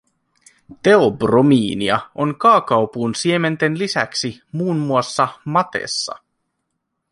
Teobromiinia on kaakaopuun siementen lisäksi muun muassa matessa